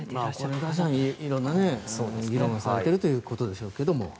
いろんな議論もされているということでしょうけども。